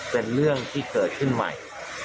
เป็นเรื่องที่เกิดขึ้นใหม่